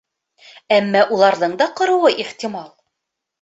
Әммә уларҙың да ҡороуы ихтимал.